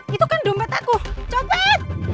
gitu kan dompet aku copet